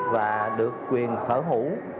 và được quyền sở hữu